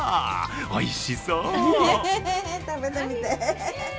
おいしそう！